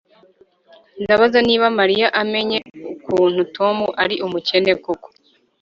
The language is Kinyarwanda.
Ndabaza niba Mariya amenye ukuntu Tom ari umukene koko